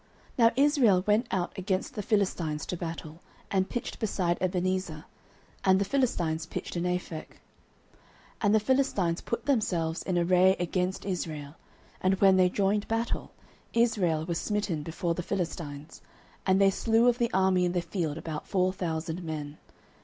Now Israel went out against the Philistines to battle, and pitched beside Ebenezer: and the Philistines pitched in Aphek. 09:004:002 And the Philistines put themselves in array against Israel: and when they joined battle, Israel was smitten before the Philistines: and they slew of the army in the field about four thousand men.